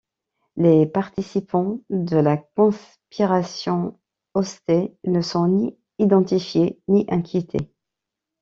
Les participants de la conspiration Oster ne sont ni identifiés, ni inquiétés.